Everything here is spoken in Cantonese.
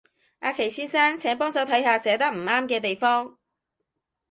阿祁先生，請幫手睇下寫得唔啱嘅地方